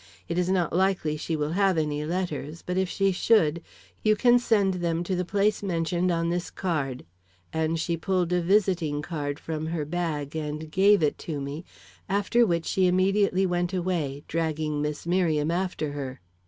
It is not likely she will have any letters, but if she should, you can send them to the place mentioned on this card,' and she pulled a visiting card from her bag and gave it to me, after which she immediately went away, dragging Miss Merriam after her."